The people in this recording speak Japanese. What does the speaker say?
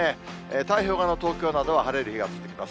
太平洋側の東京などは晴れる日が続きます。